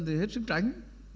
thì hết sức tránh